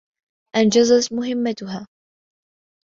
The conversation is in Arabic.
أنجزت مهمتها.